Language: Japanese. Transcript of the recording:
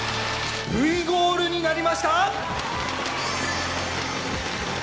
Ｖゴールになりました！